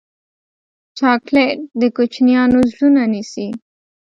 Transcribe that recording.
چاکلېټ د کوچنیانو زړونه نیسي.